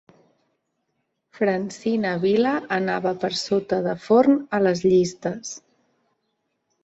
Francina Vila anava per sota de Forn a les llistes